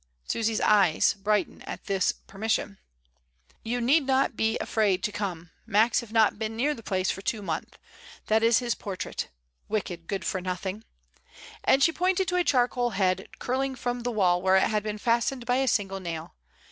Susy's eyes brighten at this permission. "You need not be afraid to come — ^Max 'ave not been near the place for two month. That is his portrait — wicked, good fcMr nothing/' and she pointed to a charcoal head curling from the wall where it had been fastened by a single nail.